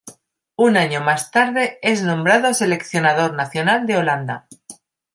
Un año más tarde es nombrado Seleccionador Nacional de Holanda.